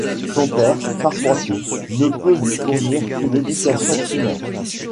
Son père, charpentier, ne peut lui fournir qu'une éducation primaire.